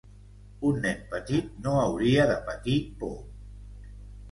Un nen petit no hauria de patir por.